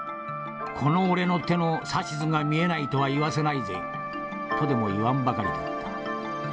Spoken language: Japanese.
『この俺の手の指図が見えないとは言わせないぜ』とでも言わんばかりだった。